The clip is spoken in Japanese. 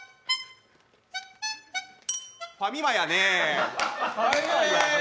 ファミマやね。